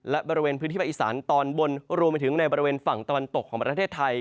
และบริเวณพื้นที่ภาคอีสานตอนบนรวมไปถึงในบริเวณฝั่งตะวันตกของประเทศไทย